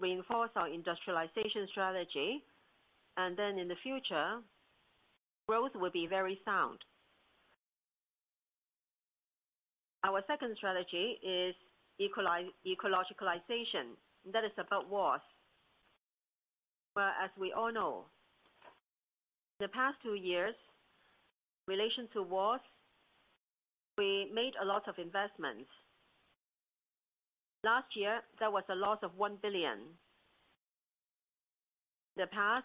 Reinforce our industrialization strategy, and then in the future, growth will be very sound. Our second strategy is ecologicalization, that is about WOS. Well, as we all know, the past two years, in relation to WOS, we made a lot of investments. Last year, there was a loss of 1 billion. In the past,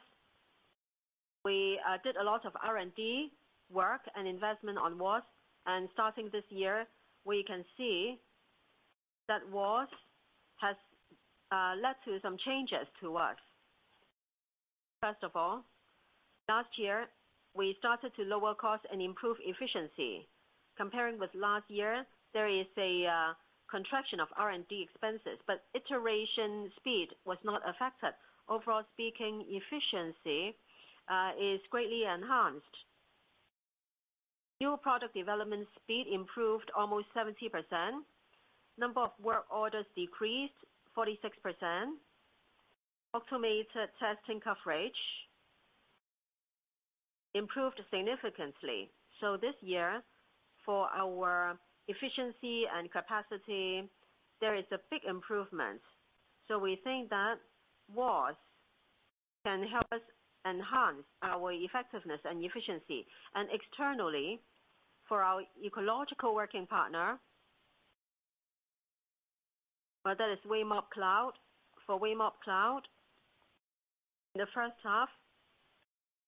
we did a lot of R&D work and investment on WOS, and starting this year, we can see that WOS has led to some changes to us. First of all, last year, we started to lower costs and improve efficiency. Comparing with last year, there is a contraction of R&D expenses, but iteration speed was not affected. Overall speaking, efficiency is greatly enhanced. New product development speed improved almost 70%. Number of work orders decreased 46%. Automated testing coverage improved significantly. This year, for our efficiency and capacity, there is a big improvement. We think that WOS can help us enhance our effectiveness and efficiency. Externally, for our ecological working partner, well, that is Weimob Cloud. For Weimob Cloud, in the first half,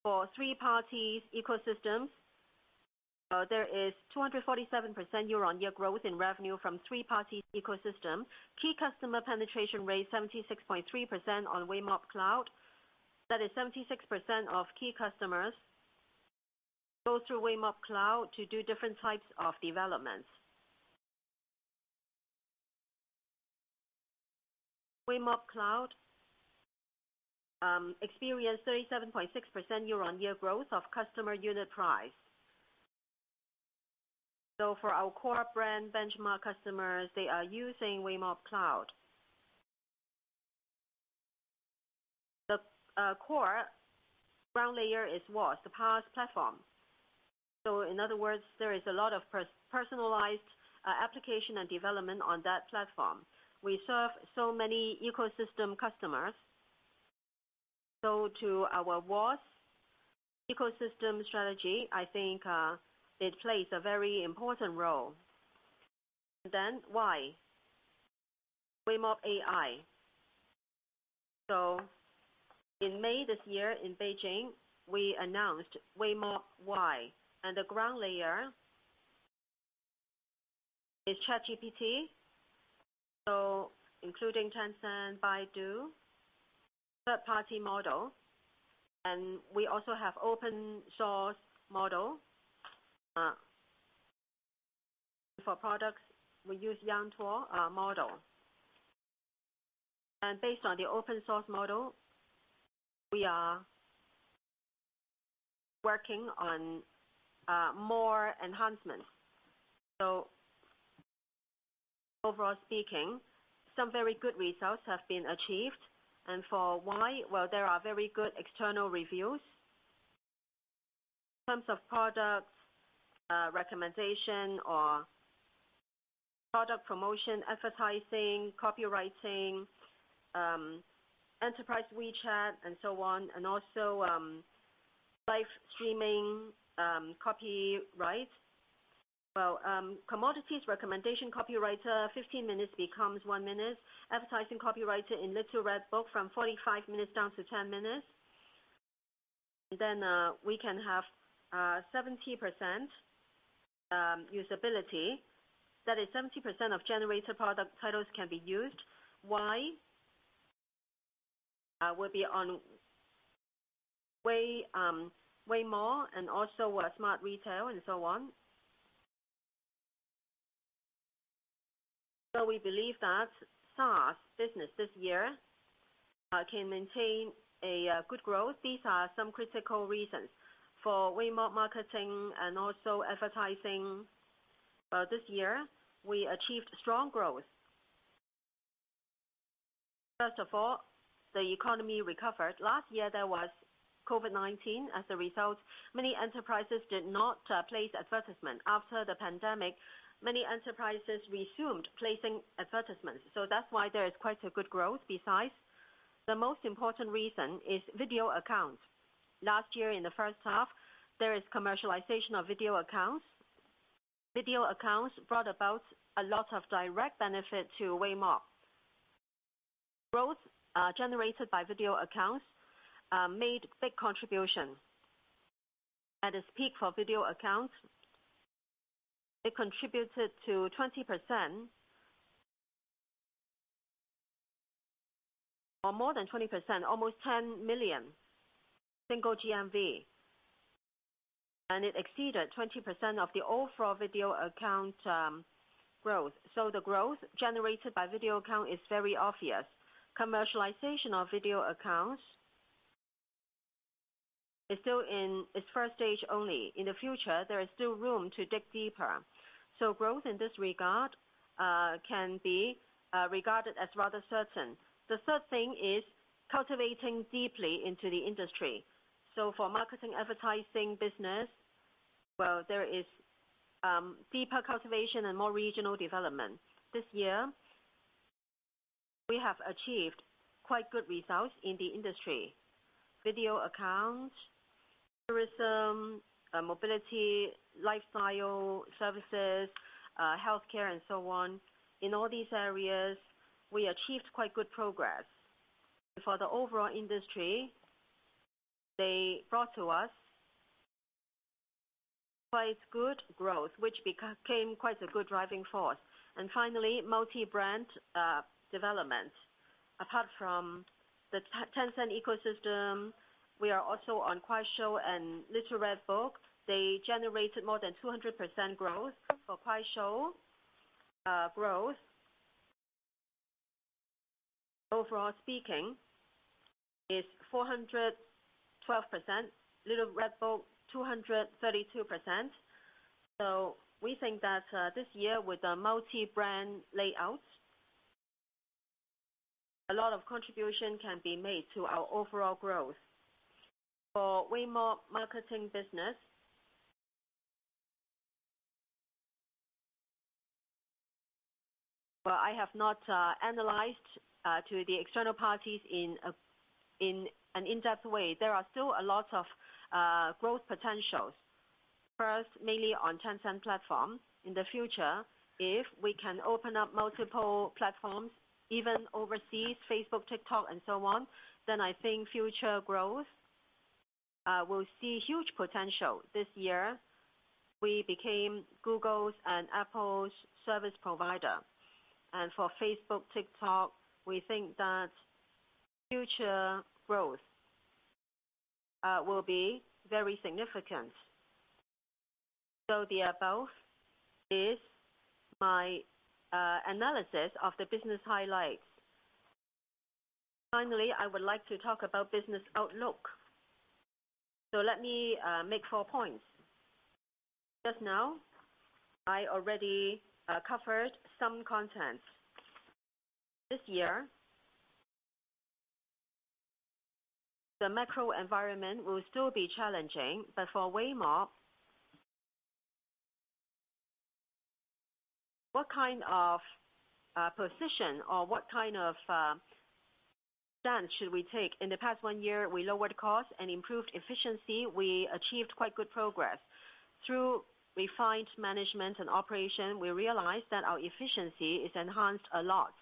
for three parties' ecosystems, there is 247% year-on-year growth in revenue from three parties' ecosystem. Key customer penetration rate, 76.3% on Weimob Cloud. That is 76% of key customers go through Weimob Cloud to do different types of developments. Weimob Cloud experienced 37.6% year-on-year growth of customer unit price. For our core brand benchmark customers, they are using Weimob Cloud. The core ground layer is WOS, the PaaS platform. In other words, there is a lot of personalized application and development on that platform. We serve so many ecosystem customers. To our WOS ecosystem strategy, I think it plays a very important role. WAI, Weimob AI. In May this year, in Beijing, we announced Weimob WAI, and the ground layer is ChatGPT, including Tencent, Baidu, third-party model, and we also have open source model. For products, we use Yantu model. Based on the open source model, we are working on more enhancements. Overall speaking, some very good results have been achieved, and for WAI, well, there are very good external reviews. In terms of products, recommendation or product promotion, advertising, copywriting, enterprise WeChat, and so on, and also live streaming, copyrights. Well, commodities recommendation copywriter, 15 minutes becomes one minute. Advertising copywriter in Xiaohongshu from 45 minutes down to 10 minutes. We can have 70% usability. That is 70% of generator product titles can be used. Will be on Weimob and also Weimob Smart Retail and so on. We believe that SaaS business this year can maintain a good growth. These are some critical reasons for Weimob Marketing and also advertising. This year, we achieved strong growth. First of all, the economy recovered. Last year, there was COVID-19. As a result, many enterprises did not place advertisement. After the pandemic, many enterprises resumed placing advertisements, that's why there is quite a good growth. Besides, the most important reason is WeChat Channels. Last year, in the first half, there is commercialization of WeChat Channels. Video accounts brought about a lot of direct benefit to Weimob. Growth generated by WeChat Channels made big contributions. At its peak for WeChat Channels, it contributed to 20%. Or more than 20%, almost 10 million, single GMV, and it exceeded 20% of the overall Video Accounts growth. The growth generated by Video Accounts is very obvious. Commercialization of WeChat Channels is still in its first stage only. In the future, there is still room to dig deeper. Growth in this regard can be regarded as rather certain. The third thing is cultivating deeply into the industry. For marketing advertising business, well, there is deeper cultivation and more regional development. This year, we have achieved quite good results in the industry. Video Accounts, tourism, mobility, lifestyle services, healthcare, and so on. In all these areas, we achieved quite good progress. For the overall industry, they brought to us quite good growth, which became quite a good driving force. Finally, multi-brand development. Apart from the Tencent ecosystem, we are also on Kuaishou and Xiaohongshu. They generated more than 200% growth. For Kuaishou, growth, overall speaking, is 412%. Xiaohongshu, 232%. We think that this year, with the multi-brand layout, a lot of contribution can be made to our overall growth. For Weimob Marketing business, well, I have not analyzed to the external parties in an in-depth way. There are still a lot of growth potentials. First, mainly on Tencent platform. In the future, if we can open up multiple platforms, even overseas, Facebook, TikTok, and so on, then I think future growth will see huge potential. This year, we became Google's and Apple's service provider. For Facebook, TikTok, we think that future growth will be very significant. The above is my analysis of the business highlights. Finally, I would like to talk about business outlook. Let me make four points. Just now, I already covered some content. This year, the macro environment will still be challenging, but for Weimob, what kind of position or what kind of stance should we take? In the past one year, we lowered costs and improved efficiency. We achieved quite good progress. Through refined management and operation, we realized that our efficiency is enhanced a lot.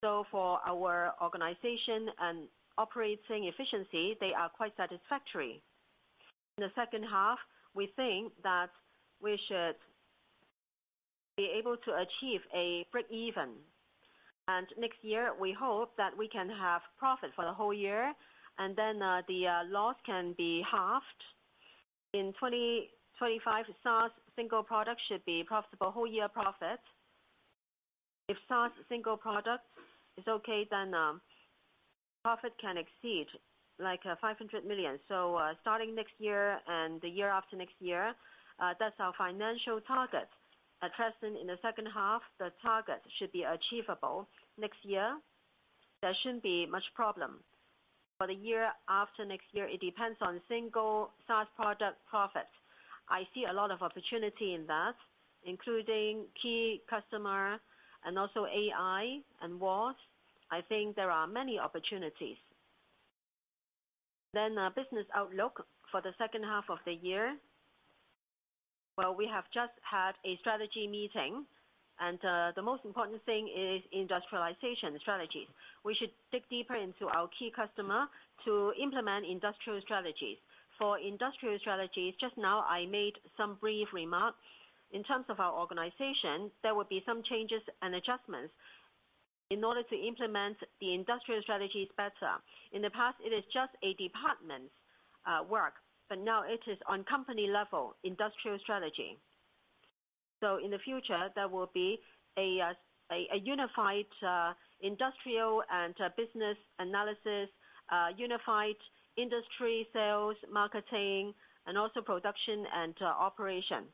For our organization and operating efficiency, they are quite satisfactory. In the second half, we think that we should be able to achieve a break-even. Next year, we hope that we can have profit for the whole year, and the loss can be halved. In 2025, SaaS single product should be profitable, whole year profit. If SaaS single product is okay, profit can exceed, like, 500 million. Starting next year and the year after next year, that's our financial target. At present, in the second half, the target should be achievable. Next year, there shouldn't be much problem. For the year after next year, it depends on single SaaS product profit. I see a lot of opportunity in that, including key customer and also AI and WOS. I think there are many opportunities. Business outlook for the second half of the year. Well, we have just had a strategy meeting, the most important thing is industrialization strategies. We should dig deeper into our key customer to implement industrial strategies. For industrial strategies, just now, I made some brief remarks. In terms of our organization, there will be some changes and adjustments in order to implement the industrial strategies better. In the past, it is just a department's work, but now it is on company level, industrial strategy. In the future, there will be a unified industrial and business analysis, unified industry sales, marketing, and also production and operation.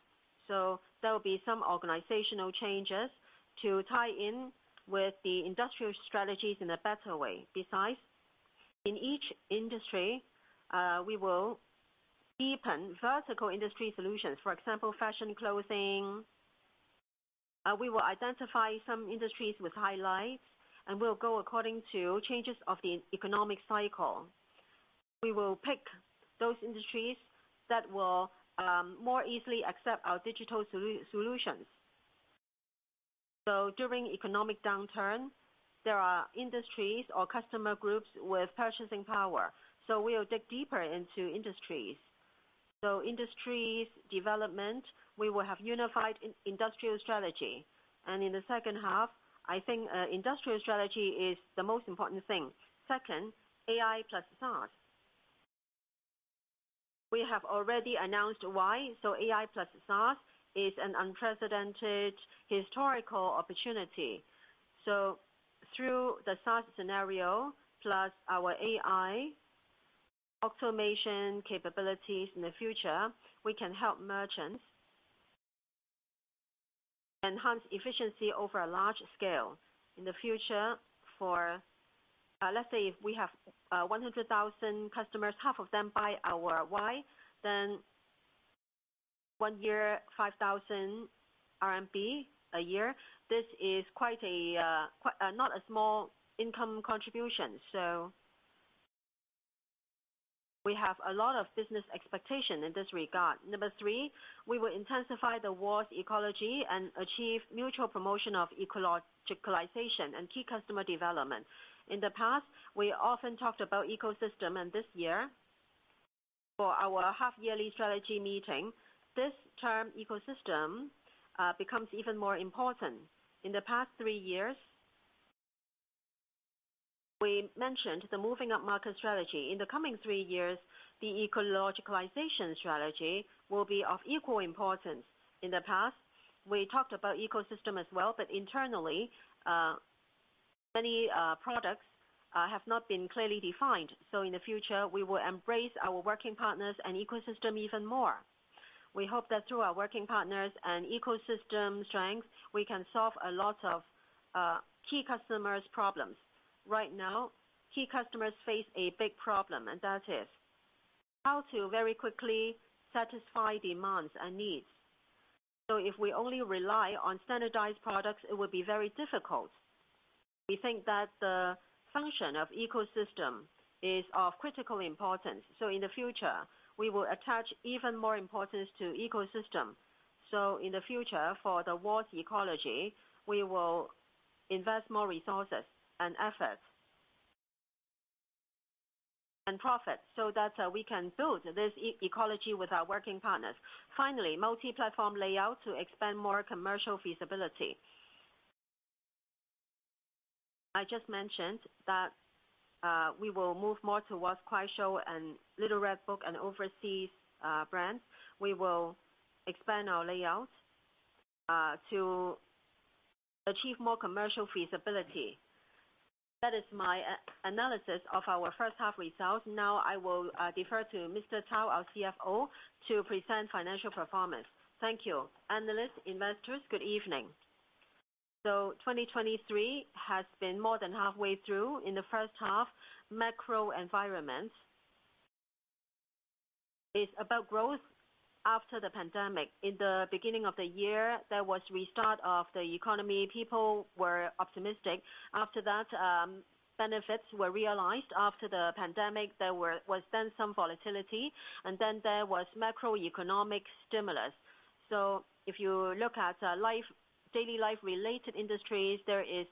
There will be some organizational changes to tie in with the industrial strategies in a better way. Besides, in each industry, we will deepen vertical industry solutions. For example, fashion clothing. We will identify some industries with highlights, and we'll go according to changes of the economic cycle. We will pick those industries that will more easily accept our digital solutions. During economic downturn, there are industries or customer groups with purchasing power, so we will dig deeper into industries. Industries development, we will have unified industrial strategy, and in the second half, I think industrial strategy is the most important thing. Second, AI+SaaS. We have already announced why. AI+SaaS is an unprecedented historical opportunity. Through the SaaS scenario, plus our AI automation capabilities in the future, we can help merchants enhance efficiency over a large scale. In the future for, let's say, if we have 100,000 customers, half of them buy our WAI, then one year, 5,000 RMB a year. This is quite a, quite, not a small income contribution. We have a lot of business expectation in this regard. Number three, we will intensify the walls' ecology and achieve mutual promotion of ecologicalization and key customer development. In the past, we often talked about ecosystem. This year, for our half yearly strategy meeting, this term ecosystem becomes even more important. In the past three years, we mentioned the moving up market strategy. In the coming three years, the ecologicalization strategy will be of equal importance. In the past, we talked about ecosystem as well. Internally, many products have not been clearly defined. In the future, we will embrace our working partners and ecosystem even more. We hope that through our working partners and ecosystem strength, we can solve a lot of key customers' problems. Right now, key customers face a big problem, and that is how to very quickly satisfy demands and needs. If we only rely on standardized products, it will be very difficult. We think that the function of ecosystem is of critical importance. In the future, we will attach even more importance to ecosystem. In the future, for the walls ecology, we will invest more resources and efforts and profits, so that we can build this e-ecology with our working partners. Finally, multi-platform layout to expand more commercial feasibility. I just mentioned that we will move more towards Kuaishou and Little Red Book and overseas brands. We will expand our layout to achieve more commercial feasibility. That is my analysis of our first half results. Now I will defer to Cao Yi, our CFO, to present financial performance. Thank you. Analysts, investors, good evening. 2023 has been more than halfway through. In the first half, macro environment is about growth after the pandemic. In the beginning of the year, there was restart of the economy. People were optimistic. After that, benefits were realized. After the pandemic, there was then some volatility, and then there was macroeconomic stimulus. If you look at life, daily life related industries, there is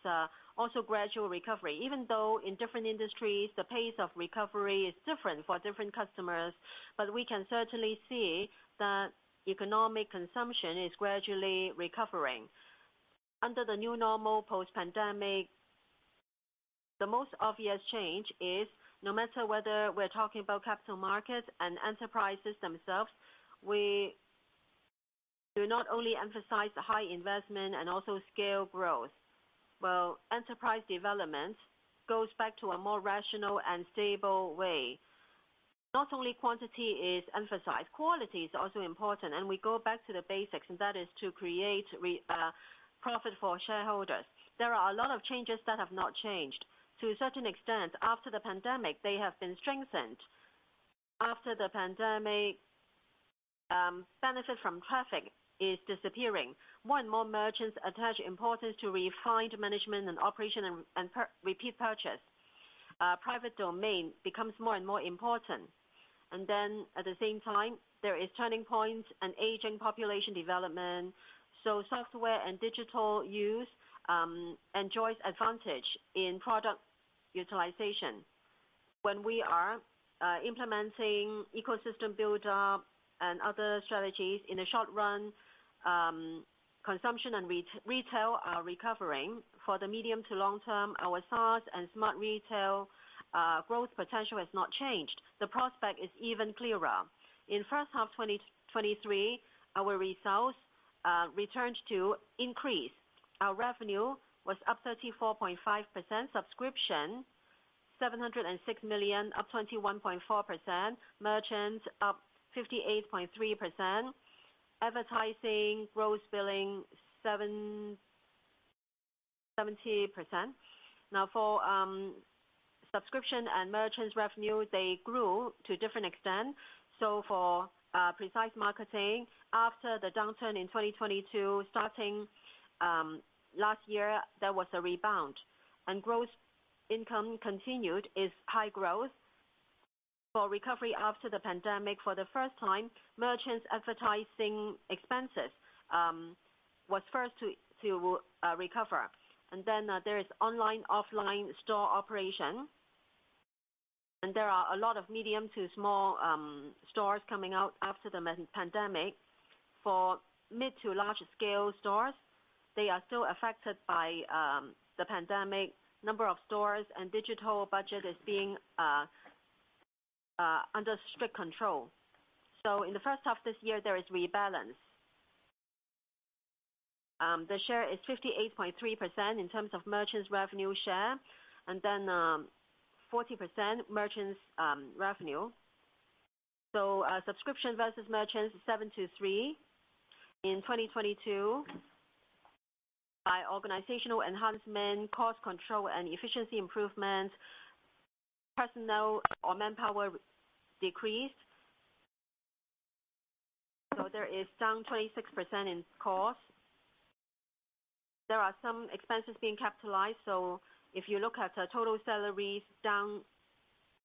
also gradual recovery. Even though in different industries, the pace of recovery is different for different customers, but we can certainly see that economic consumption is gradually recovering. Under the new normal post-pandemic, the most obvious change is, no matter whether we're talking about capital markets and enterprises themselves, we do not only emphasize high investment and also scale growth. Well, enterprise development goes back to a more rational and stable way. Not only quantity is emphasized, quality is also important, and we go back to the basics, and that is to create profit for shareholders. There are a lot of changes that have not changed. To a certain extent, after the pandemic, they have been strengthened. After the pandemic, benefit from traffic is disappearing. More and more merchants attach importance to refined management and operation and repeat purchase. Private domain becomes more and more important. At the same time, there is turning points and aging population development, so software and digital use enjoys advantage in product utilization. When we are implementing ecosystem buildup and other strategies, in the short run, consumption and retail are recovering. For the medium to long term, our SaaS and Smart Retail growth potential has not changed. The prospect is even clearer. In first half 2023, our results returned to increase. Our revenue was up 34.5%, subscription 706 million, up 21.4%, merchants up 58.3%, advertising gross billing 70%. For subscription and merchants revenue, they grew to a different extent. For precise marketing, after the downturn in 2022, starting last year, there was a rebound, and growth income continued its high growth. For recovery after the pandemic, for the first time, merchants advertising expenses was first to recover. Then there is online, offline store operation, and there are a lot of medium to small stores coming out after the pandemic. For mid to large scale stores, they are still affected by the pandemic. Number of stores and digital budget is being under strict control. In the first half this year, there is rebalance. The share is 58.3% in terms of merchants revenue share, and then 40% merchants revenue. Subscription versus merchants, seven to three. In 2022, by organizational enhancement, cost control and efficiency improvement, personnel or manpower decreased. There is down 26% in cost. There are some expenses being capitalized, so if you look at the total salaries, down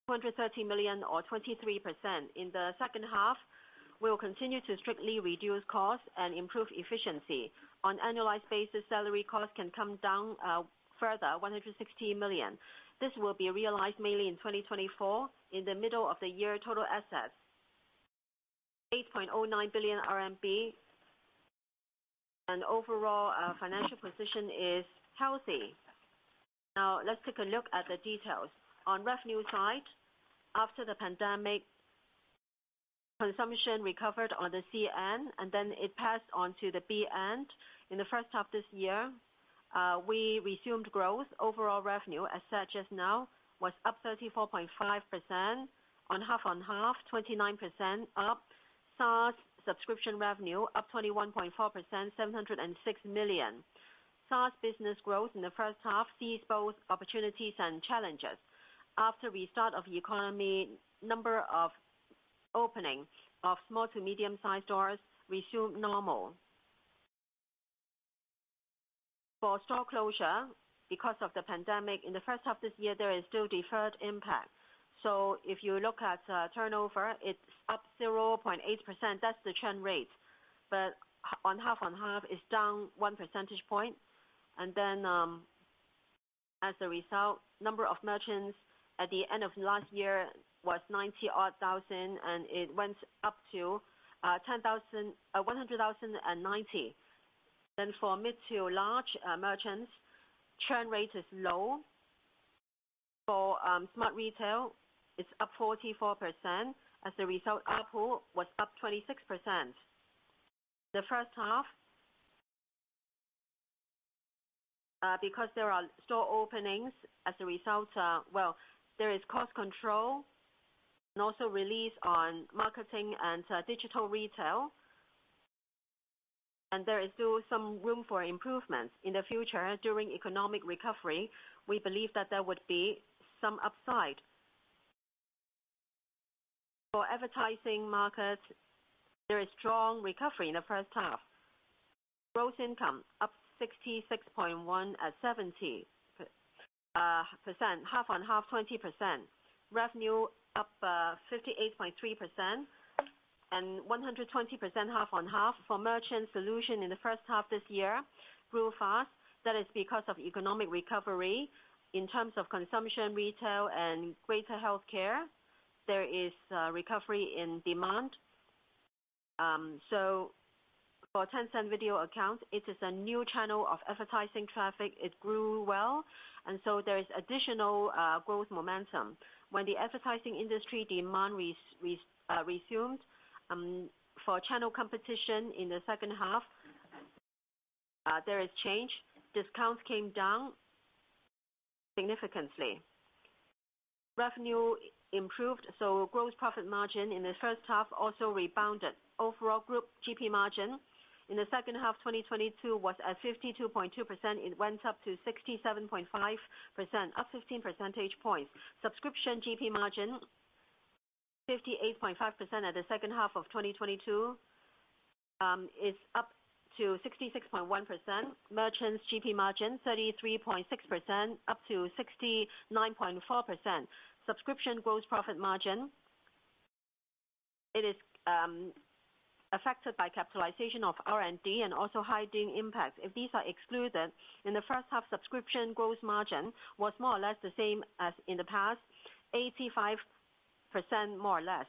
$230 million or 23%. In the second half, we will continue to strictly reduce costs and improve efficiency. On annualized basis, salary costs can come down further $160 million. This will be realized mainly in 2024. In the middle of the year, total assets, 8.09 billion RMB. Overall, our financial position is healthy. Let's take a look at the details. On revenue side, after the pandemic, consumption recovered on the C-end. Then it passed on to the B-end. In the first half this year, we resumed growth. Overall revenue, as said just now, was up 34.5%, on half on half, 29% up. SaaS subscription revenue up 21.4%, 706 million. SaaS business growth in the first half sees both opportunities and challenges. After restart of the economy, number of opening of small to medium-sized stores resume normal. For store closure, because of the pandemic, in the first half of this year, there is still deferred impact. If you look at turnover, it's up 0.8%. That's the churn rate. On half on half, it's down 1 percentage point. As a result, number of merchants at the end of last year was 90-odd thousand, and it went up to 10,000, 100,090. For mid to large merchants, churn rate is low. For Smart Retail, it's up 44%. As a result, ARPU was up 26%. The first half, because there are store openings, as a result, well, there is cost control and also release on marketing and digital retail. There is still some room for improvement. In the future, during economic recovery, we believe that there would be some upside. For advertising market, there is strong recovery in the first half. Gross income up 66.1% at 70%, half on half, 20%. Revenue up 58.3% and 120%, half on half. For merchant solution in the first half this year, grew fast. That is because of economic recovery. In terms of consumption, retail, and greater healthcare, there is recovery in demand. For Tencent Video Accounts, it is a new channel of advertising traffic. It grew well, there is additional growth momentum. When the advertising industry demand resumed, for channel competition in the second half, there is change. Discounts came down significantly. Revenue improved, Gross Profit margin in the first half also rebounded. Overall group GP margin in the second half of 2022 was at 52.2%. It went up to 67.5%, up 15 percentage points. Subscription GP margin, 58.5% at the second half of 2022, is up to 66.1%. Merchants GP margin, 33.6%, up to 69.4%. Subscription gross profit margin, it is affected by capitalization of R&D and also high dealing impact. If these are excluded, in the first half, subscription gross margin was more or less the same as in the past, 85%, more or less.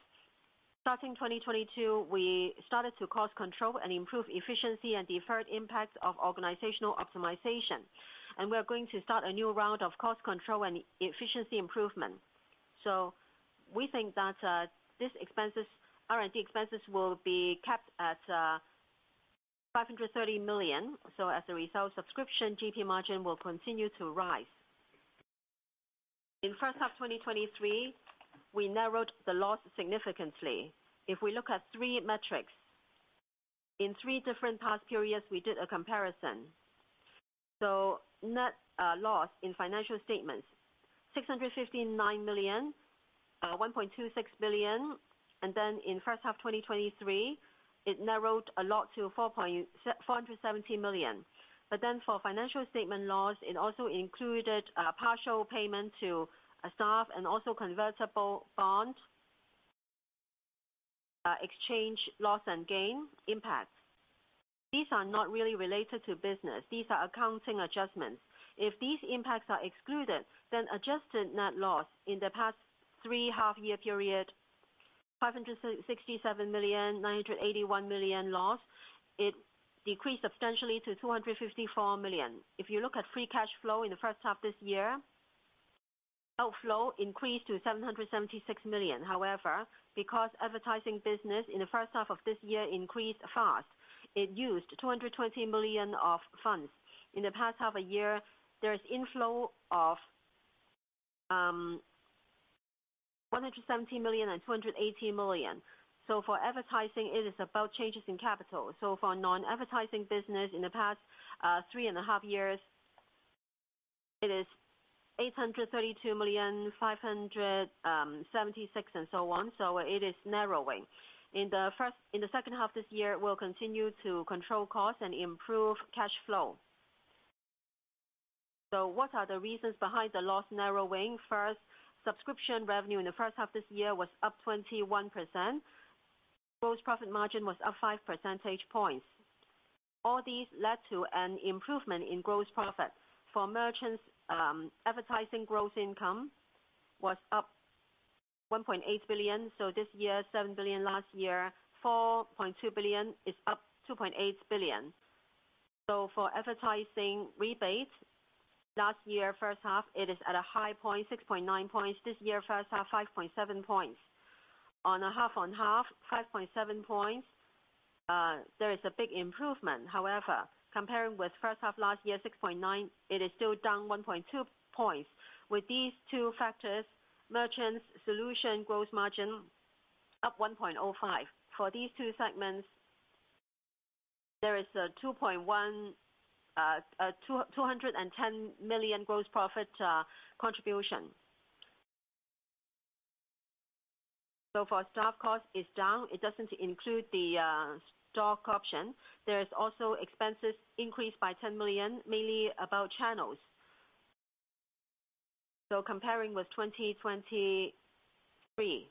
Starting 2022, we started to cost control and improve efficiency and deferred impacts of organizational optimization, we are going to start a new round of cost control and efficiency improvement. We think that this expenses, R&D expenses, will be kept at 530 million. As a result, subscription GP margin will continue to rise. In first half 2023, we narrowed the loss significantly. If we look at three metrics, in three different past periods, we did a comparison. Net loss in financial statements, $659 million, $1.26 billion, and then in first half 2023, it narrowed a lot to $417 million. For financial statement loss, it also included partial payment to staff and also convertible bond exchange loss and gain impact. These are not really related to business. These are accounting adjustments. If these impacts are excluded, adjusted net loss in the past three half year period, $567 million, $981 million loss, it decreased substantially to $254 million. If you look at free cash flow in the first half this year, outflow increased to 776 million. However, because advertising business in the first half of this year increased fast, it used 220 million of funds. In the past half a year, there is inflow of 117 million and 218 million. For advertising, it is about changes in capital. For non-advertising business in the past, three and a half years, it is 832 million, 500, 76, and so on. It is narrowing. In the first, in the second half this year, we'll continue to control costs and improve cash flow. What are the reasons behind the loss narrowing? First, subscription revenue in the first half this year was up 21%. Gross profit margin was up 5 percentage points. All these led to an improvement in gross profit. For merchants, advertising gross income was up $1.8 billion. This year, $7 billion, last year, $4.2 billion, it's up $2.8 billion. For advertising rebates, last year, first half, it is at a high point, 6.9 points. This year, first half, 5.7 points. On a half on half, 5.7 points, there is a big improvement. However, comparing with first half last year, 6.9, it is still down 1.2 points. With these two factors, merchants' solution gross margin, up 1.05. For these two segments, there is a $210 million gross profit contribution. For staff cost, it's down. It doesn't include the stock option. There is also expenses increased by 10 million, mainly about channels. Comparing with 2023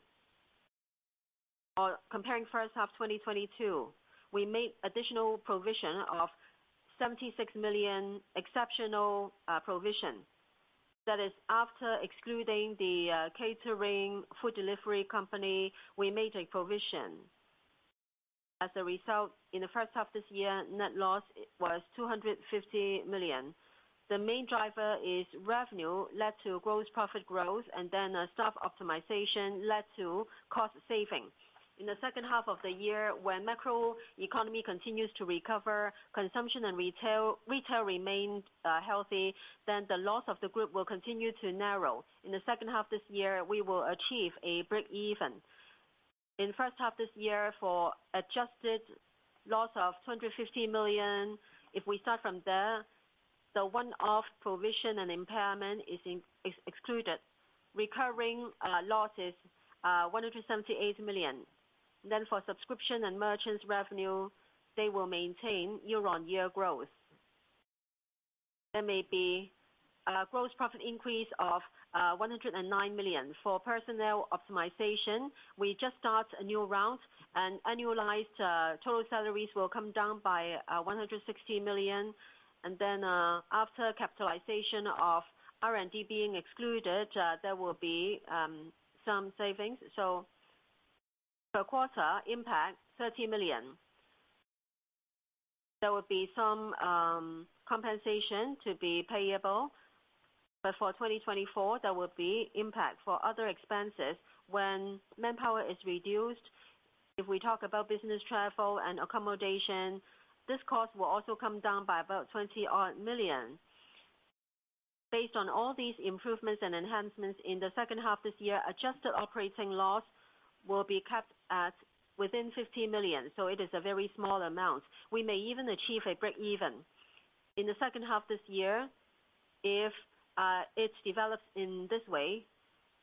or comparing first half 2022, we made additional provision of 76 million exceptional provision. That is after excluding the catering food delivery company, we made a provision. As a result, in the first half this year, net loss was 250 million. The main driver is revenue led to gross profit growth and then a staff optimization led to cost savings. In the second half of the year, when macro economy continues to recover, consumption and retail, retail remained healthy, the loss of the group will continue to narrow. In the second half this year, we will achieve a breakeven. In first half this year, for adjusted loss of 250 million, if we start from there, the one-off provision and impairment is in, is excluded. Recurring loss is 178 million. For subscription and merchants' revenue, they will maintain year-on-year growth. There may be a gross profit increase of 109 million. For personnel optimization, we just start a new round, and annualized total salaries will come down by 160 million. After capitalization of R&D being excluded, there will be some savings. Per quarter impact, 30 million. There will be some compensation to be payable, but for 2024, there will be impact for other expenses when manpower is reduced. If we talk about business travel and accommodation, this cost will also come down by about 20 odd million. Based on all these improvements and enhancements in the second half this year, adjusted operating loss will be kept at within 50 million. It is a very small amount. We may even achieve a breakeven. In the second half this year, if it develops in this way,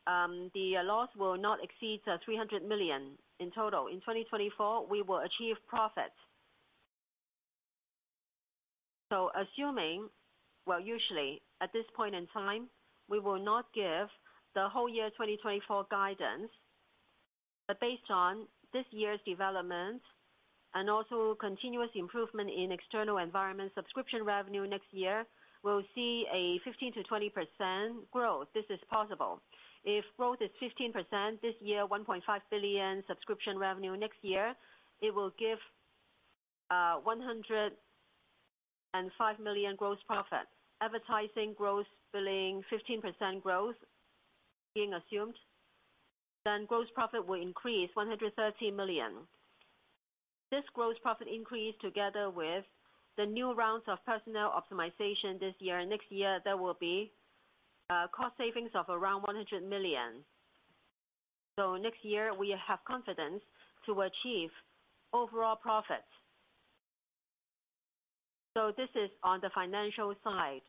the loss will not exceed 300 million in total. In 2024, we will achieve profit. Assuming, well, usually, at this point in time, we will not give the whole year 2024 guidance. Based on this year's development and also continuous improvement in external environment, subscription revenue next year will see a 15%-20% growth. This is possible. If growth is 15% this year, 1.5 billion subscription revenue next year, it will give 105 million gross profit. Advertising gross billing, 15% growth being assumed, then gross profit will increase 113 million. This gross profit increase, together with the new rounds of personnel optimization this year, next year, there will be cost savings of around 100 million. Next year, we have confidence to achieve overall profit. This is on the financial side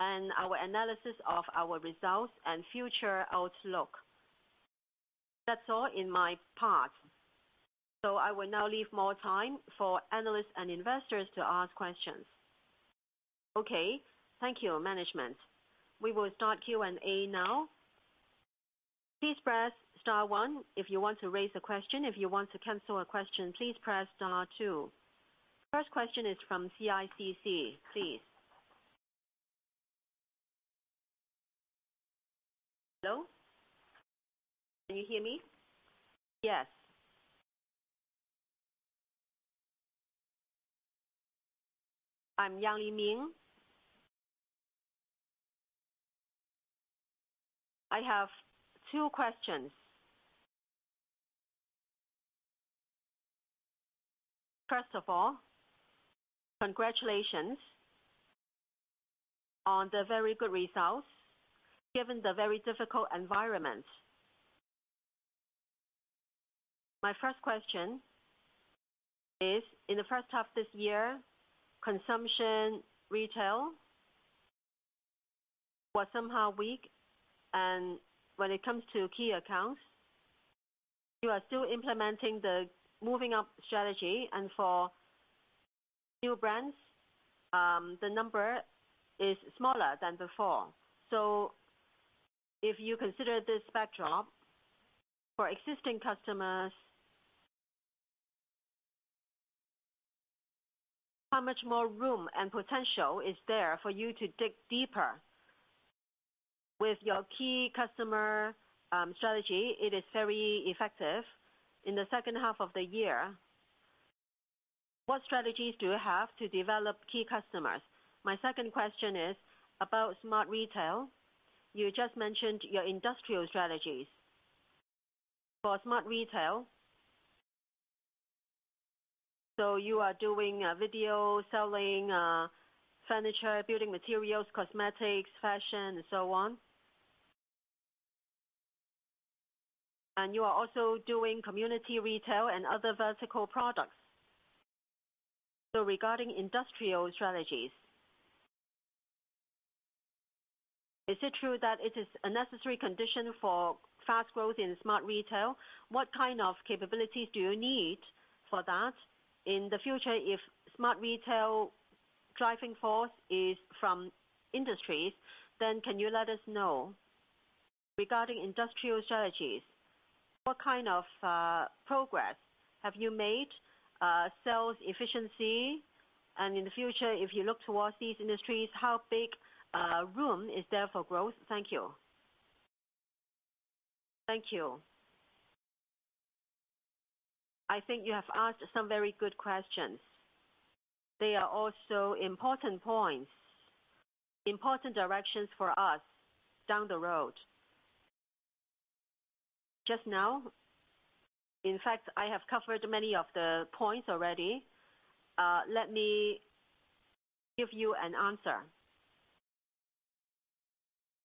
and our analysis of our results and future outlook. That's all in my part. I will now leave more time for analysts and investors to ask questions. Okay. Thank you, management. We will start Q&A now. Please press star one, if you want to raise a question. If you want to cancel a question, please press star two. First question is from CITIC, please. Hello? Can you hear me? Yes. I'm Yuan Ye. I have two questions. First of all, congratulations on the very good results, given the very difficult environment. My first question is: in the first half this year, consumption, retail was somehow weak. When it comes to key accounts, you are still implementing the moving up strategy. For new brands, the number is smaller than before. If you consider this backdrop, for existing customers, how much more room and potential is there for you to dig deeper with your key customer strategy? It is very effective. In the second half of the year, what strategies do you have to develop key customers? My second question is about Smart Retail. You just mentioned your industrial strategies. For smart retail, you are doing video, selling furniture, building materials, cosmetics, fashion, and so on. You are also doing community retail and other vertical products. Regarding industrial strategies, is it true that it is a necessary condition for fast growth in smart retail? What kind of capabilities do you need for that? In the future, if smart retail driving force is from industries, can you let us know, regarding industrial strategies, what kind of progress have you made, sales efficiency? In the future, if you look towards these industries, how big room is there for growth? Thank you. Thank you. I think you have asked some very good questions. They are also important points, important directions for us down the road. Just now, in fact, I have covered many of the points already. Let me give you an answer.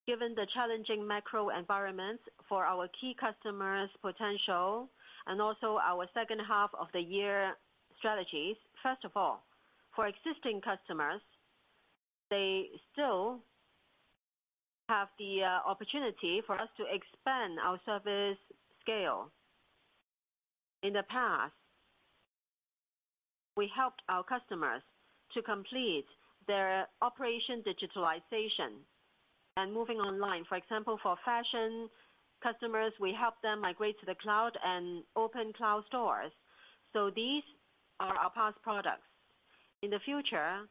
Given the challenging macro environment for our key customers' potential and also our second half of the year strategies, first of all, for existing customers, they still have the opportunity for us to expand our service scale. In the past, we helped our customers to complete their operation digitalization and moving online. For example, for fashion customers, we helped them migrate to the cloud and open cloud stores. These are our past products. In the future,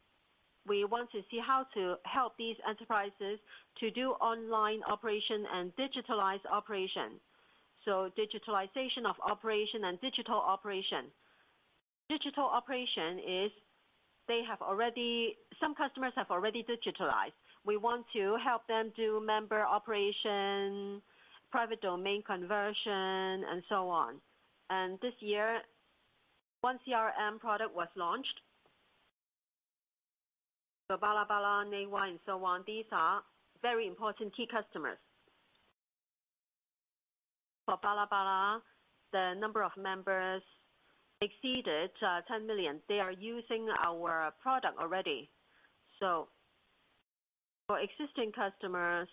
we want to see how to help these enterprises to do online operation and digitalized operation, so digitalization of operation and digital operation. Digital operation is some customers have already digitalized. We want to help them do member operation, private domain conversion, and so on. This year, one CRM product was launched. Balabala, NEIWAI, and so on, these are very important key customers. For Balabala, the number of members exceeded 10 million. They are using our product already. For existing customers,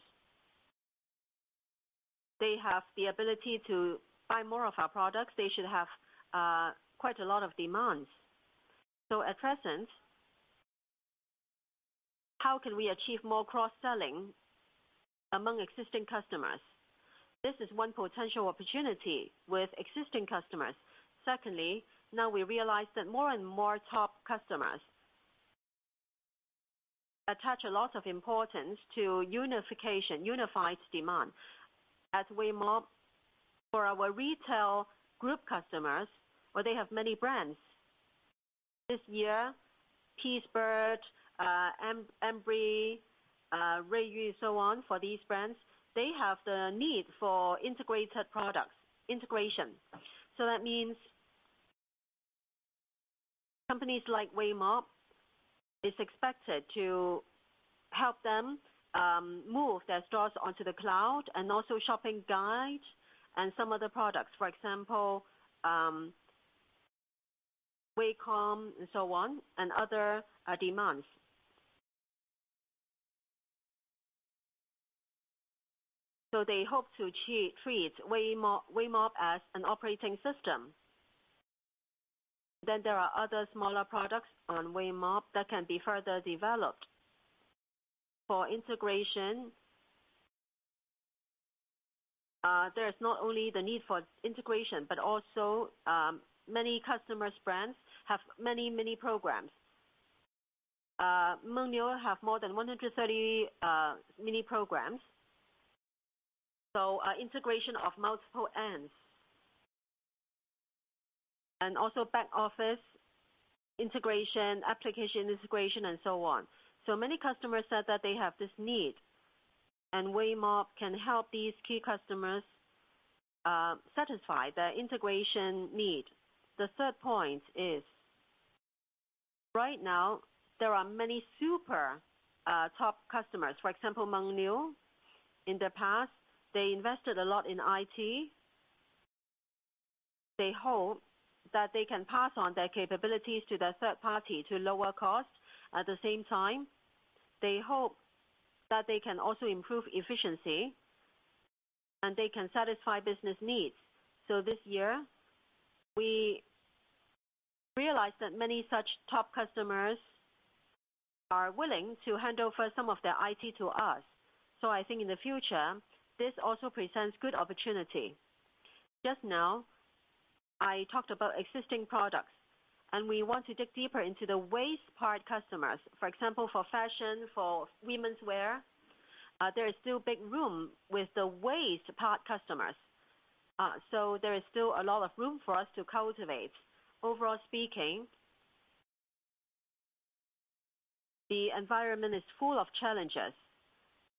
they have the ability to buy more of our products. They should have quite a lot of demands. At present, how can we achieve more cross-selling among existing customers? This is one potential opportunity with existing customers. Secondly, now we realize that more and more top customers attach a lot of importance to unification, unified demand. As Weimob, for our retail group customers, where they have many brands. This year, Peacebird, Embry, Leyou, and so on. For these brands, they have the need for integrated products, integration. That means companies like Weimob is expected to help them move their stores onto the cloud and also shopping guide and some other products. For example, WeCom and so on, and other demands. They hope to treat Weimob as an operating system. There are other smaller products on Weimob that can be further developed. For integration, there is not only the need for integration, but also many customers' brands have many, many programs. Mengniu have more than 130 Mini Programs. Integration of multiple ends, and also back office integration, application integration, and so on. Many customers said that they have this need, and Weimob can help these key customers satisfy their integration need. The third point is, right now, there are many super top customers. For example, Mengniu, in the past, they invested a lot in IT. They hope that they can pass on their capabilities to their third party to lower costs. At the same time, they hope that they can also improve efficiency, and they can satisfy business needs. This year, we realized that many such top customers are willing to hand over some of their IT to us. I think in the future, this also presents good opportunity. Just now, I talked about existing products, and we want to dig deeper into the waist part customers. For example, for fashion, for women's wear, there is still big room with the waist part customers. There is still a lot of room for us to cultivate. Overall speaking, the environment is full of challenges,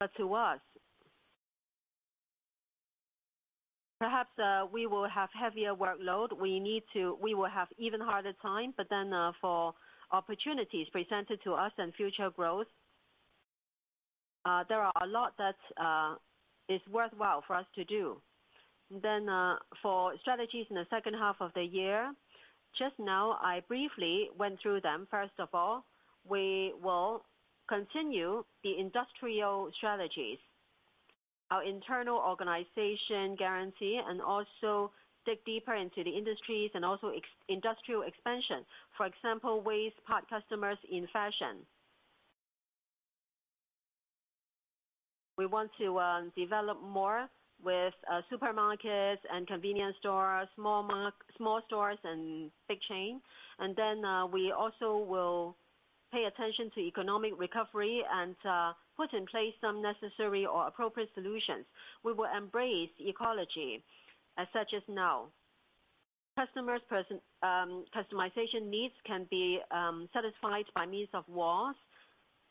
but to us, perhaps, we will have heavier workload. We will have even harder time. For opportunities presented to us and future growth, there are a lot that is worthwhile for us to do. For strategies in the second half of the year, just now, I briefly went through them. First of all, we will continue the industrial strategies, our internal organization guarantee, and also dig deeper into the industries and also industrial expansion. For example, waist part customers in fashion. We want to develop more with supermarkets and convenience stores, small stores and big chain. We also will pay attention to economic recovery and put in place some necessary or appropriate solutions. We will embrace ecology, as such as now. Customers person, customization needs can be satisfied by means of WOS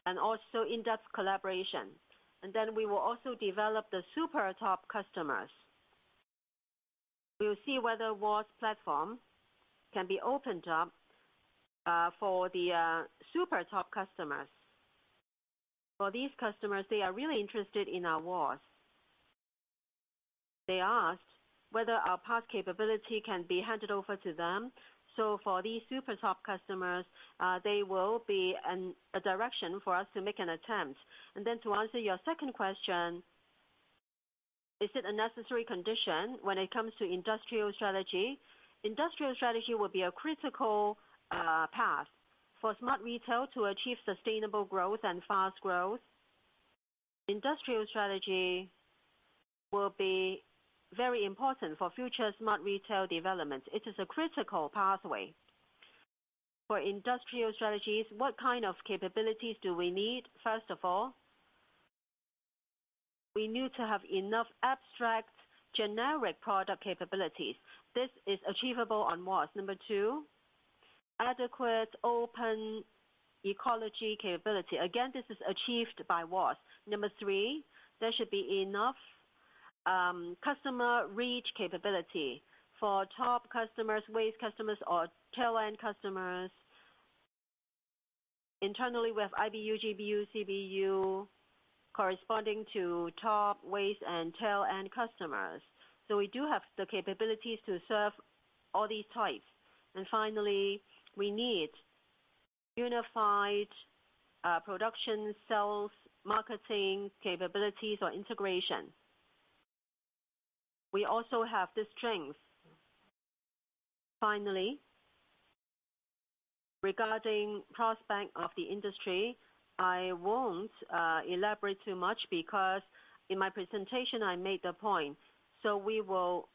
and also in-depth collaboration. We will also develop the super top customers. We'll see whether WOS platform can be opened up for the super top customers. For these customers, they are really interested in our WOS. They asked whether our PaaS capability can be handed over to them. For these super top customers, they will be a direction for us to make an attempt. To answer your second question, is it a necessary condition when it comes to industrial strategy? Industrial strategy will be a critical path for smart retail to achieve sustainable growth and fast growth. Industrial strategy will be very important for future smart retail development. It is a critical pathway. For industrial strategies, what kind of capabilities do we need? First of all, we need to have enough abstract, generic product capabilities. This is achievable on WOS. Number two, adequate open ecology capability. This is achieved by WOS. Number three, there should be enough customer reach capability for top customers, waist customers, or tail-end customers. Internally, we have IBU, GBU, CBU, corresponding to top, waist, and tail-end customers. We do have the capabilities to serve all these types. Finally, we need unified production, sales, marketing, capabilities or integration. We also have the strength. Finally, regarding cross bank of the industry, I won't elaborate too much, because in my presentation, I made the point. We will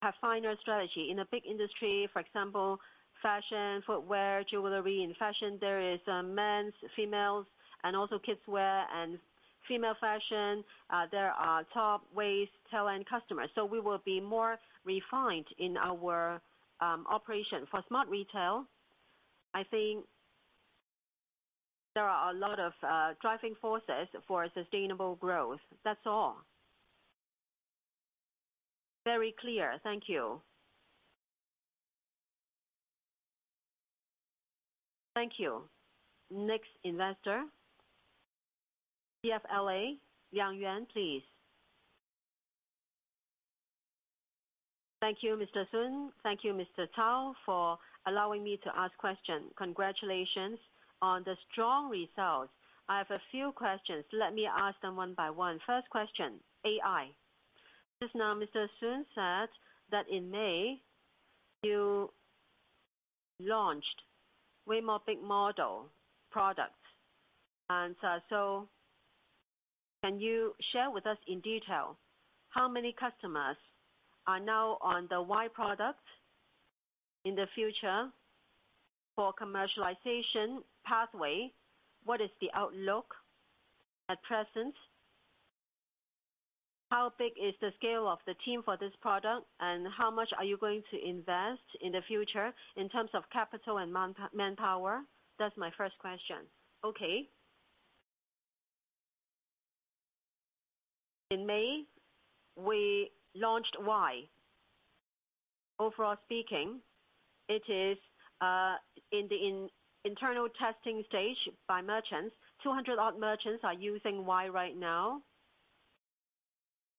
have finer strategy. In a big industry, for example, fashion, footwear, jewelry. In fashion, there is men's, females, and also kids' wear. Female fashion, there are top, waist, tail-end customers, we will be more refined in our operation. For Smart Retail, I think there are a lot of driving forces for sustainable growth. That's all. Very clear. Thank you. Thank you. Next investor, CLSA, Yang Yuan, please. Thank you, Mr. Sun. Thank you, Cao Yi, for allowing me to ask questions. Congratulations on the strong results. I have a few questions. Let me ask them one by one. First question, AI. Just now, Mr. Sun said that in May, you launched Weimob big model products. Can you share with us in detail how many customers are now on the WAI product? In the future, for commercialization pathway, what is the outlook at present? How big is the scale of the team for this product, and how much are you going to invest in the future in terms of capital and manpower? That's my first question. Okay. In May, we launched WAI.Overall speaking, it is in the internal testing stage by merchants. 200 odd merchants are using WAI right now.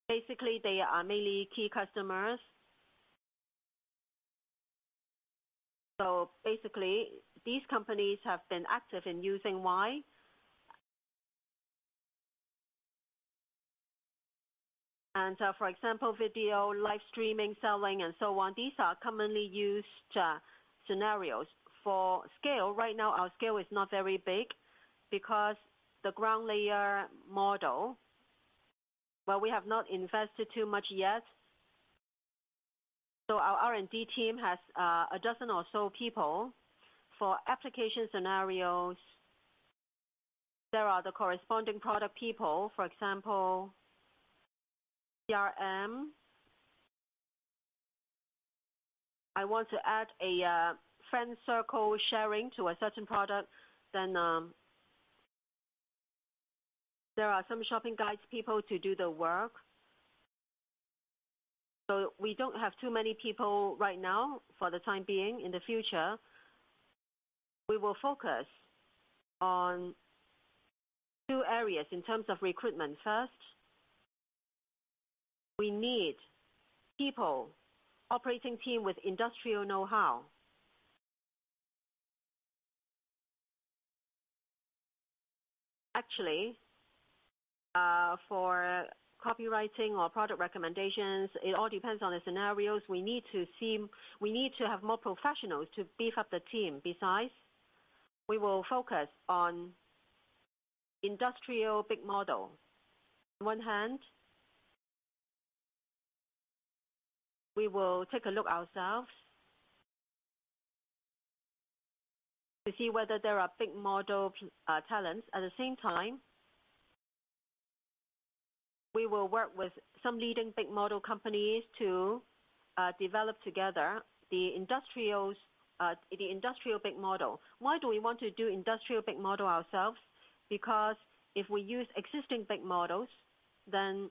Basically, they are mainly key customers. Basically, these companies have been active in using WAI. For example, video, live streaming, selling, and so on, these are commonly used scenarios. For scale, right now, our scale is not very big because the ground layer model, well, we have not invested too much yet, our R&D team has 12 or so people. For application scenarios, there are the corresponding product people. For example, CRM. I want to add a friend circle sharing to a certain product, then there are some shopping guides people to do the work. We don't have too many people right now for the time being. In the future, we will focus on two areas in terms of recruitment. First, we need people, operating team with industrial know-how. Actually, for copywriting or product recommendations, it all depends on the scenarios. We need to have more professionals to beef up the team. Besides, we will focus on industrial big model. On one hand, we will take a look ourselves to see whether there are big model talents. At the same time, we will work with some leading big model companies to develop together the industrials, the industrial big model. Why do we want to do industrial big model ourselves? Because if we use existing big models, then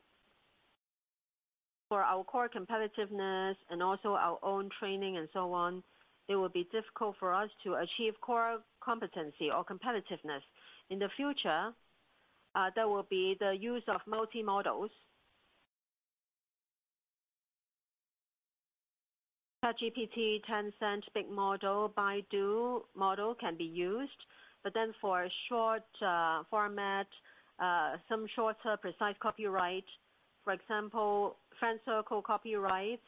for our core competitiveness and also our own training and so on, it will be difficult for us to achieve core competency or competitiveness. In the future, there will be the use of multi-models. ChatGPT, Tencent big model, Baidu model can be used. For short format, some shorter, precise copyright, for example, friend circle copyrights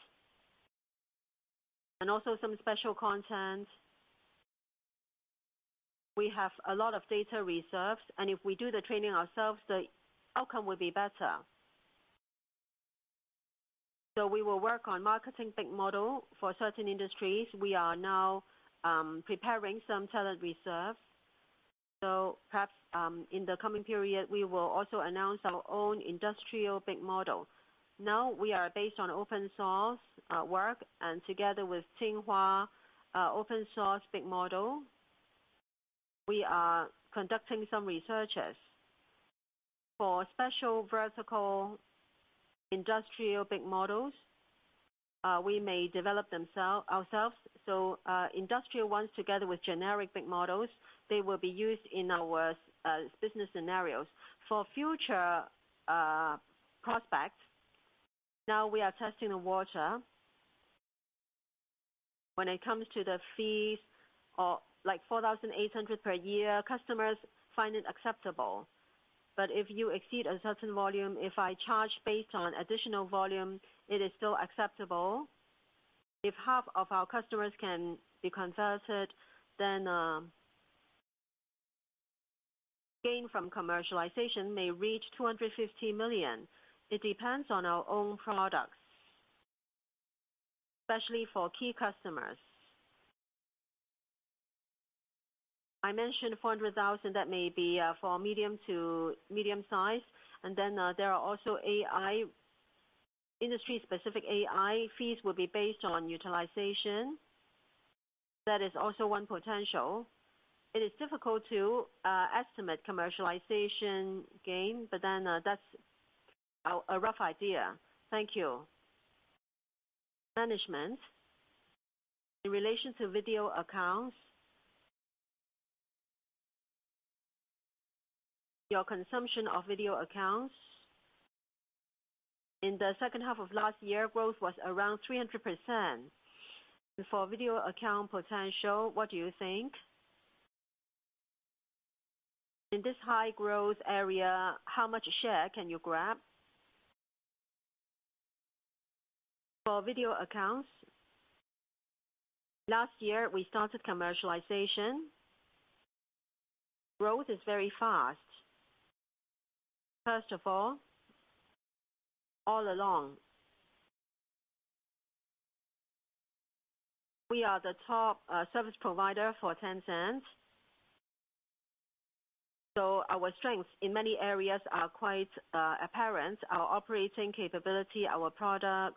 and also some special content, we have a lot of data reserves, and if we do the training ourselves, the outcome will be better. We will work on marketing big model for certain industries. We are now preparing some talent reserve, so perhaps in the coming period, we will also announce our own industrial big model. We are based on open source work, and together with Tsinghua open source big model, we are conducting some researches. For special vertical industrial big models, we may develop themsel- ourselves. Industrial ones, together with generic big models, they will be used in our business scenarios. For future prospects, now we are testing the water. When it comes to the fees, or like 4,800 per year, customers find it acceptable. If you exceed a certain volume, if I charge based on additional volume, it is still acceptable. If half of our customers can be converted, gain from commercialization may reach 250 million. It depends on our own products, especially for key customers. I mentioned 400,000, that may be for medium to medium size, there are also AI, industry-specific AI fees will be based on utilization. That is also one potential. It is difficult to estimate commercialization gain, that's a rough idea. Thank you. Management, in relation to WeChat Channels, your consumption of WeChat Channels in the second half of last year, growth was around 300%. For Video Accounts potential, what do you think? In this high growth area, how much share can you grab? For WeChat Channels, last year, we started commercialization. Growth is very fast. First of all, all along, we are the top service provider for Tencent. Our strengths in many areas are quite apparent, our operating capability, our products,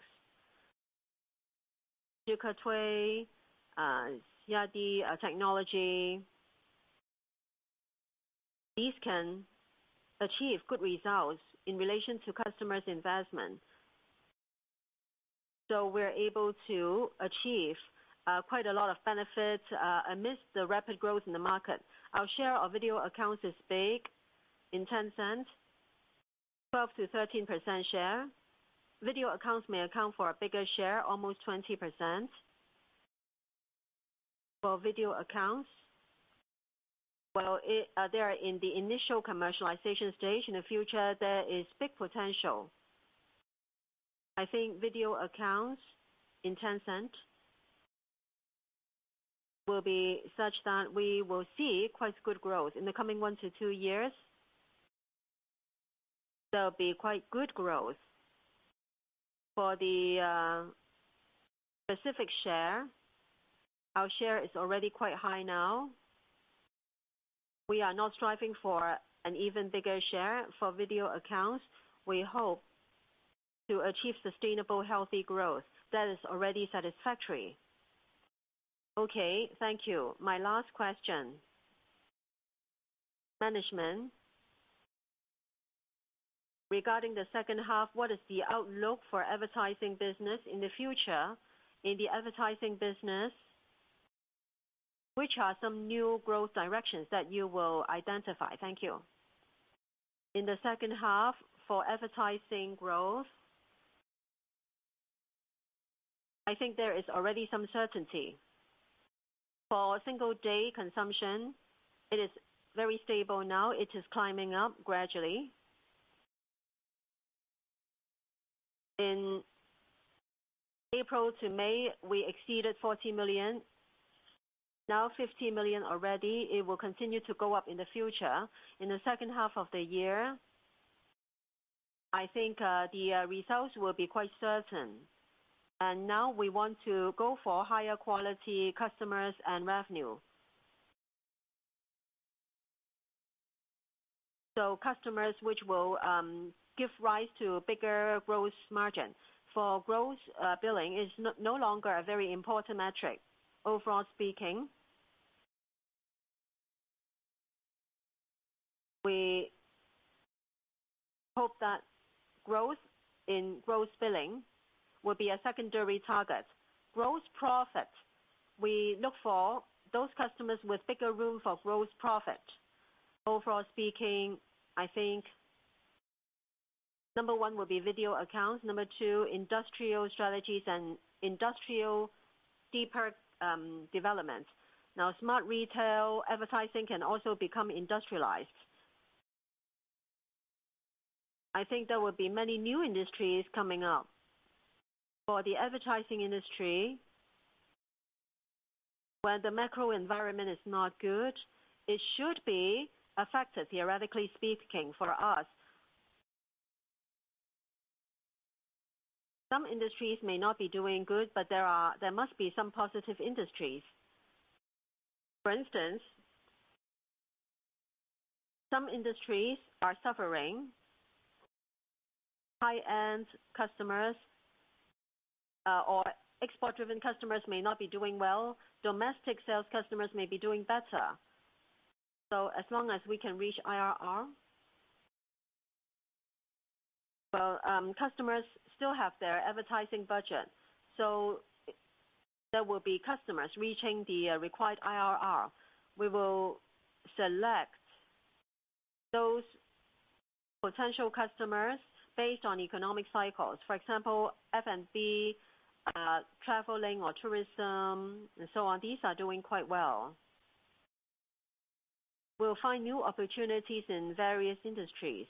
ZhuKeTui, CID, technology. These can achieve good results in relation to customers' investment. We're able to achieve quite a lot of benefit amidst the rapid growth in the market. Our share of WeChat Channels is big in Tencent, 12%-13% share. Video accounts may account for a bigger share, almost 20%. For WeChat Channels, well, it, they are in the initial commercialization stage. In the future, there is big potential. I think WeChat Channels in Tencent will be such that we will see quite good growth. In the coming one to two years, there'll be quite good growth. For the specific share, our share is already quite high now. We are not striving for an even bigger share for WeChat Channels. We hope to achieve sustainable, healthy growth. That is already satisfactory. Okay, thank you. My last question. Management, regarding the second half, what is the outlook for advertising business in the future? In the advertising business, which are some new growth directions that you will identify? Thank you. In the second half, for advertising growth, I think there is already some certainty. For single day consumption, it is very stable now. It is climbing up gradually. In April to May, we exceeded 40 million. Now 50 million already, it will continue to go up in the future. In the second half of the year, I think the results will be quite certain. Now we want to go for higher quality customers and revenue. Customers, which will give rise to bigger growth margin. For growth, billing is no longer a very important metric. Overall speaking, we hope that growth in gross billing will be a secondary target. Gross profit, we look for those customers with bigger room for gross profit. Overall speaking, I think number one will be WeChat Channels. Number two, industrial strategies and industrial deeper development. Now, smart retail advertising can also become industrialized. I think there will be many new industries coming up. For the advertising industry, where the macro environment is not good, it should be affected, theoretically speaking, for us. Some industries may not be doing good, but there must be some positive industries. For instance, some industries are suffering. High-end customers, or export-driven customers may not be doing well. Domestic sales customers may be doing better. As long as we can reach IRR, well, customers still have their advertising budget, so there will be customers reaching the required IRR. We will select those potential customers based on economic cycles. For example, F&B, traveling or tourism, and so on. These are doing quite well. We'll find new opportunities in various industries.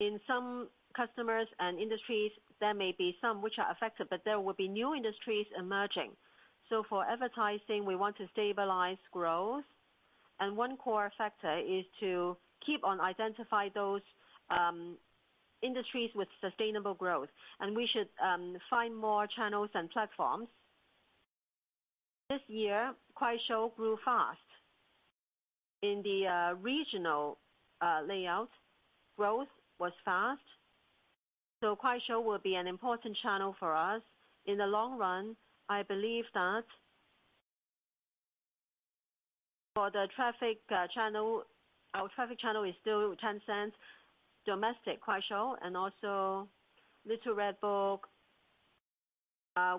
In some customers and industries, there may be some which are affected, but there will be new industries emerging. For advertising, we want to stabilize growth, and one core factor is to keep on identifying those industries with sustainable growth, and we should find more channels and platforms. This year, Kuaishou grew fast. In the regional layout, growth was fast, so Kuaishou will be an important channel for us. In the long run, I believe that for the traffic channel, our traffic channel is still Tencent, domestic Kuaishou, and also Little Red Book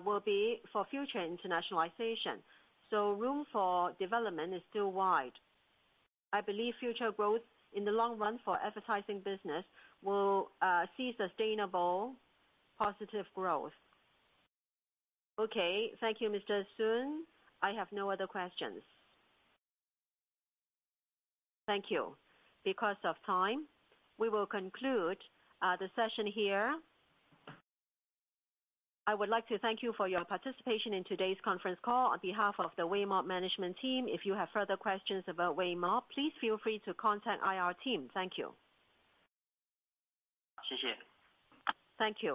will be for future internationalization. Room for development is still wide. I believe future growth in the long run for advertising business will see sustainable, positive growth. Okay. Thank you, Mr. Sun. I have no other questions. Thank you. Because of time, we will conclude the session here. I would like to thank you for your participation in today's conference call on behalf of the Weimob management team. If you have further questions about Weimob, please feel free to contact IR team. Thank you. Thank you.